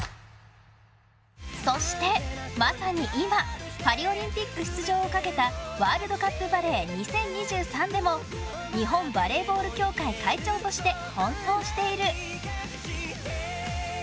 そして、まさに今パリオリンピック出場をかけたワールドカップバレー２０２３でも日本バレーボール協会会長として奔走している。